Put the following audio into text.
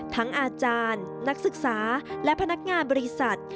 อาจารย์นักศึกษาและพนักงานบริษัท